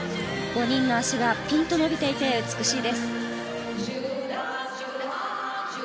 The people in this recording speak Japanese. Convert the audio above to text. ５人の足がピンと伸びていて美しいです。